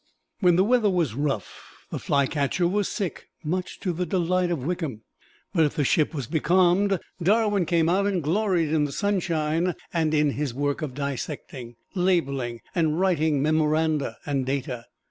When the weather was rough the "Flycatcher" was sick, much to the delight of Wickham; but if the ship was becalmed, Darwin came out and gloried in the sunshine, and in his work of dissecting, labeling, and writing memoranda and data.